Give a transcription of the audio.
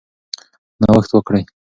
نوښت وکړئ.